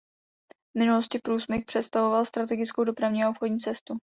V minulosti průsmyk představoval strategickou dopravní a obchodní cestu.